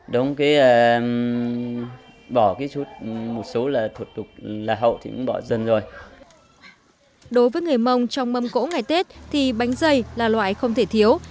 đối với người mông trong mâm cỗ ngày tết thì bánh dày là loại không thể thiếu